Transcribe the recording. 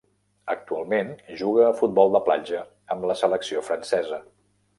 Actualment juga a futbol de platja amb la selecció francesa.